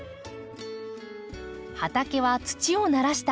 畑は土をならした